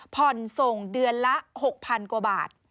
ส่งเดือนละ๖๐๐๐กว่าบาท